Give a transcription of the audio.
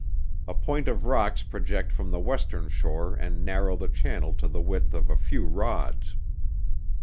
A point of rocks project from the western shore and narrow the channel to the width of a few rods.